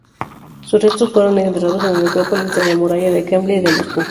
Sus restos fueron enterrados en la Necrópolis de la Muralla del Kremlin de Moscú.